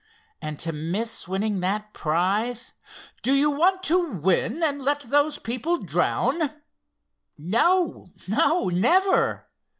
"And to miss winning that prize——" "Do you want to win and let those people drown?" "No, no, never!"